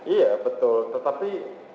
iya betul tetapi